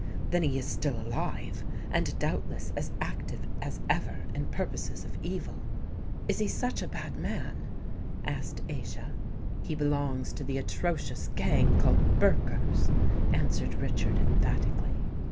"Then he is still alive—and doubtless as active as ever in purposes of evil." "Is he such a bad man?" asked Aischa. "He belongs to the atrocious gang called Burkers," answered Richard emphatically.